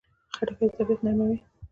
خټکی د طبعیت نرموي.